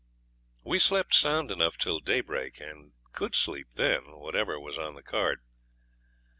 We slept sound enough till daybreak, and COULD SLEEP then, whatever was on the card.